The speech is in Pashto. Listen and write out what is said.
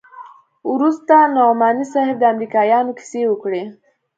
وروسته نعماني صاحب د امريکايانو کيسې وکړې.